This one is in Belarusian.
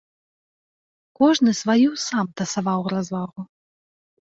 Кожны сваю сам тасаваў развагу.